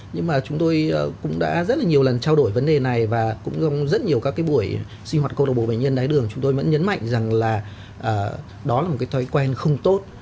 nhưng mà chúng tôi cũng đã rất là nhiều lần trao đổi vấn đề này và cũng trong rất nhiều các cái buổi sinh hoạt cộng đồng bộ bệnh nhân đài tho đường chúng tôi vẫn nhấn mạnh rằng là đó là một cái thói quen không tốt